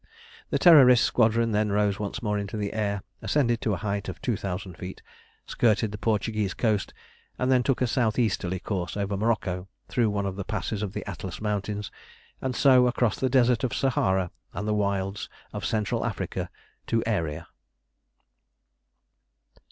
The Terrorist Squadron then rose once more into the air, ascended to a height of two thousand feet, skirted the Portuguese coast, and then took a south easterly course over Morocco through one of the passes of the Atlas Mountains, and so across the desert of Sahara and the wilds of Central Africa to Aeria.